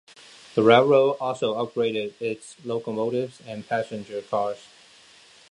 The railroad also upgraded its locomotives and passenger cars.